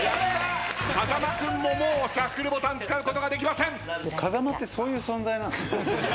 風間君ももうシャッフルボタン使うことができません。